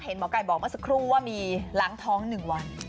เห็นหมอไก่บอกมาสักครู่ว่ามีล้างท้อง๑วัน